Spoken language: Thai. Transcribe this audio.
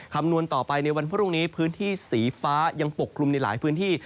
คำนวณต่อไปในวันพรุ่งนี้พื้นที่สีฟ้ายังปกคลุมในหลายพื้นที่